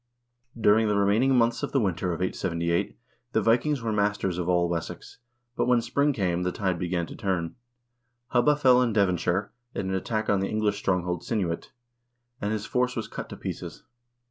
During the remaining months of the winter of 878 the Vikings were masters of all Wessex, but when spring came, the tide began to turn. Hubba fell in Devonshire in an attack on the English strong hold Cynuit, and his force was cut to pieces.